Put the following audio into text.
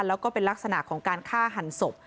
แล้วก็เป็นลักษณะของการฆ่าหันศพ